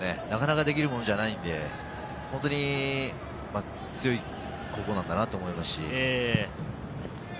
なかなかできるものじゃないので、本当に強い高校なんだなと思います。